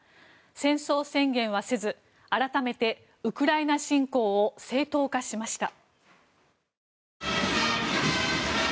戦争宣言はせず改めてウクライナ侵攻を正当化しました。